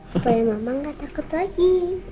supaya memang gak takut lagi